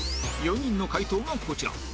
４人の解答がこちら